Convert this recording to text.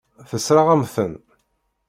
Tessṛeɣ-am-ten.